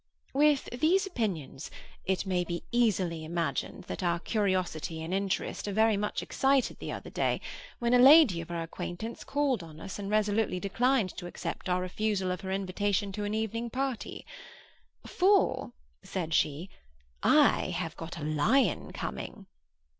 With these opinions it may be easily imagined that our curiosity and interest were very much excited the other day, when a lady of our acquaintance called on us and resolutely declined to accept our refusal of her invitation to an evening party; 'for,' said she, 'I have got a lion coming.